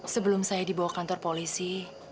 sebelum saya dibawa kantor polisi